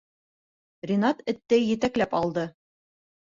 Ринат этте етәкләп алды.